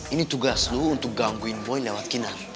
ini tugas lo untuk gangguin boy lewat kinar